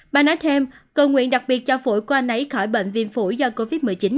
bà nói thêm cầu nguyện đặc biệt cho phủi của anh ấy khỏi bệnh viêm phủi do covid một mươi chín